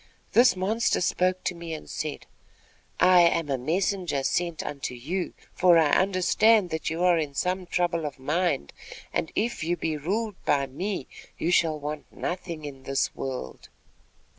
This monster spoke to me and said: "'I am a messenger sent unto you, for I understand that you are in some trouble of mind, and if you be ruled by me, you shall want for nothing in this world.'